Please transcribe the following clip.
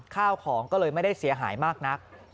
ข้าวของก็เลยไม่ได้เสียหายมากนัก